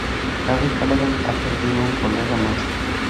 Harry Callahan ha perdido un colega más.